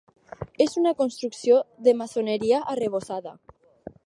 És una construcció de maçoneria arrebossada.